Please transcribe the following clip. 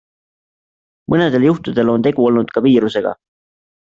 Mõnedel juhtudel on tegu olnud ka viirusega.